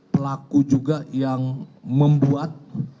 pelaku juga yang membuat